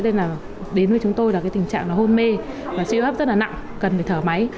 đến với chúng tôi là tình trạng hôn mê suy hô hấp rất nặng cần phải thở máy